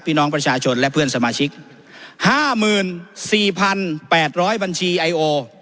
พี่น้องประชาชนและเพื่อนสมาชิกห้าหมื่นสี่พันแปดร้อยบัญชีไอโอ